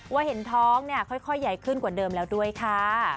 ว่าเห็นท้องเนี่ยค่อยใหญ่ขึ้นกว่าเดิมแล้วด้วยค่ะ